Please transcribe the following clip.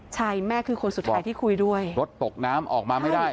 ใช่แม่คือคนสุดท้ายที่คุยด้วยรถตกน้ำออกมาไม่ได้